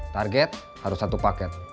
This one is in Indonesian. target harus satu paket